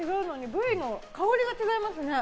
部位の香りが違いますね。